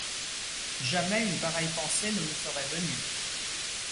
Jamais une pareille pensée ne me serait venue.